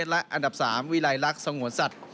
และอันดับ๓วิลัยลักษณ์สงวนสัตว์